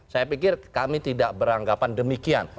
saya pikir kami tidak beranggapan demikian